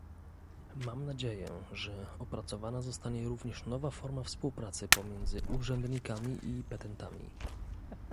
Mam nadzieję, że opracowana zostanie również nowa forma współpracy pomiędzy urzędnikami i petentami